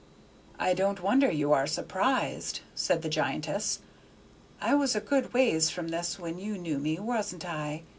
"I don't wonder you are surprised," said the giantess. "I was a good ways from this when you knew me, wasn't I?